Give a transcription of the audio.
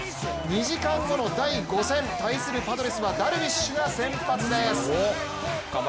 ２時間後の第５戦対するパドレスはダルビッシュが先発です。